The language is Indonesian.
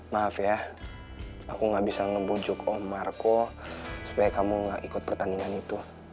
maaf ya aku gak bisa ngebujuk oh marco supaya kamu gak ikut pertandingan itu